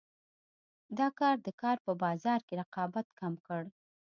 دا کار د کار په بازار کې رقابت کم کړ.